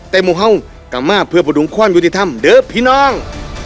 หมู่ห้องกลับมาเพื่อประดุงความยุติธรรมเด้อพี่น้อง